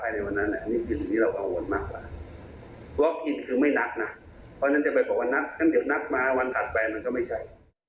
ถ้าเกี่ยวนักมาวันถัดไปมันก็ไม่ใช่